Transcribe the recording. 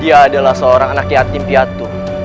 dia adalah seorang anak yatim piatu